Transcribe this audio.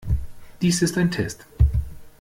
Dies ist ein Test.